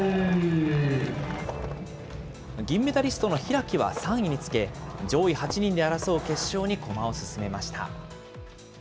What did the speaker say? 銀メダリストの開は３位につけ、上位８人で争う決勝に駒を進めました。